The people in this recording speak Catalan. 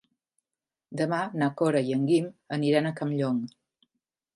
Demà na Cora i en Guim aniran a Campllong.